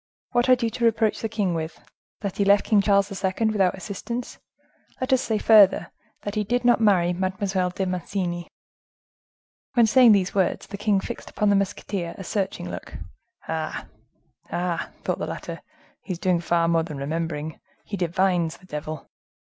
What had you to reproach the king with?—that he left King Charles II. without assistance?—let us say further—that he did not marry Mademoiselle de Mancini?" When saying these words, the king fixed upon the musketeer a searching look. "Ah! ah!" thought the latter, "he is doing far more than remembering, he divines. The devil!"